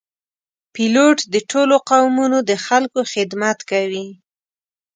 پیلوټ د ټولو قومونو د خلکو خدمت کوي.